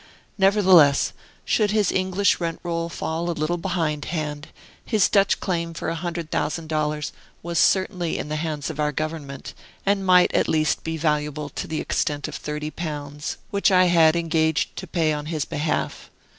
Nevertheless, should his English rent roll fall a little behindhand, his Dutch claim for a hundred thousand dollars was certainly in the hands of our government, and might at least be valuable to the extent of thirty pounds, which I had engaged to pay on his behalf.